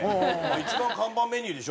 一番看板メニューでしょ？